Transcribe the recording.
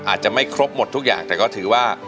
อาจจะไม่ครบหมดทุกอย่างแต่ก็ถือว่า